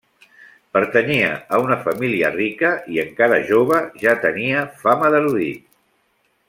Pertanyia a una família rica i, encara jove, ja era tenia fama d'erudit.